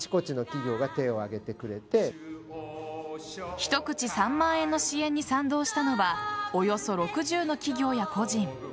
１口３万円の支援に賛同したのはおよそ６０の企業や個人。